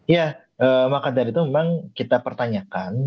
ya maka dari itu memang kita pertanyakan